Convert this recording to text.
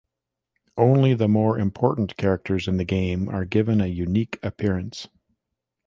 Only the more important characters in the game are given a unique appearance.